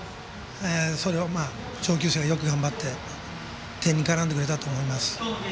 それを上級生がよく頑張って点に絡んでくれたと思います。